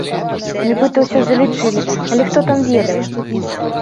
Нібыта, ўсё залічылі, але хто там ведае!